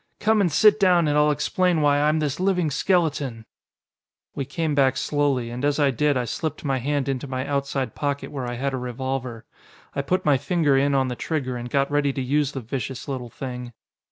Come and sit down and I'll explain why I'm this living skeleton." We came back slowly, and as I did I slipped my hand into my outside pocket where I had a revolver. I put my finger in on the trigger and got ready to use the vicious little thing.